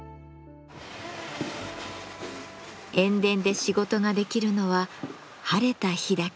塩田で仕事ができるのは晴れた日だけ。